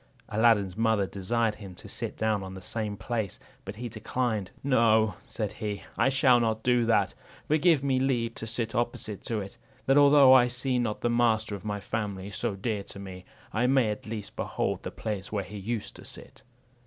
Aladdin's mother desired him to sit down in the same place, but he declined. "No," said he, "I shall not do that; but give me leave to sit opposite to it, that although I see not the master of a family so dear to me, I may at least behold the place where he used to sit."